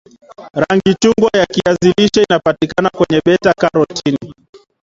rangi chungwa ya kiazi lishe inapatikana kweneye beta karotini